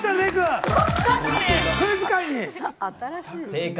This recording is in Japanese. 正解！